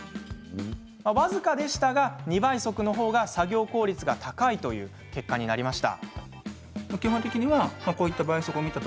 僅かでしたが２倍速の方が作業効率が高いという結果になりました。